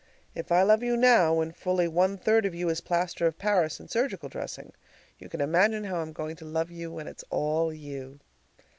If I love you now, when fully one third of you is plaster of Paris and surgical dressing, you can imagine how I'm going to love you when it's all you!